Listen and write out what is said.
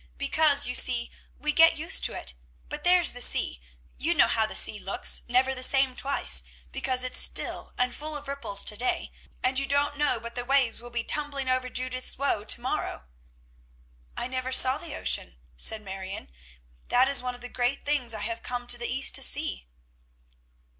because, you see, we get used to it. But there's the sea; you know how the sea looks, never the same twice; because it's still and full of ripples to day, you don't know but the waves will be tumbling over Judith's Woe to morrow." "I never saw the ocean," said Marion. "That is one of the great things I have come to the East to see."